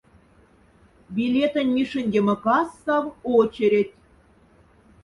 Билетонь мишендема кассав очередь.